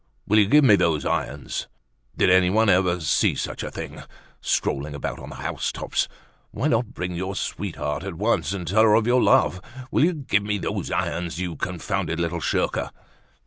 Will you give me those irons! Did any one ever see such a thing! Strolling about on the house tops! Why not bring your sweetheart at once, and tell her of your love? Will you give me those irons? You confounded little shirker!"